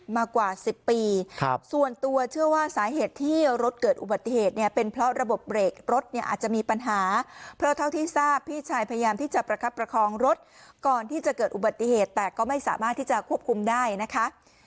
มากว่า๑๐ปีส่วนตัวเชื่อว่าสาเหตุที่รถเกิดอุบัติเหตุเนี่ยเป็นเพราะระบบเบรกรถเนี่ยอาจจะมีปัญหาเพราะเท่าที่ทราบพี่ชายพยายามที่จะประคับประคองรถก่อนที่จะเกิดอุบัติเหตุแต่ก็ไม่สามารถที่จะควบคุมได้นะคะ